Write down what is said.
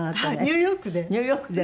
ニューヨークで。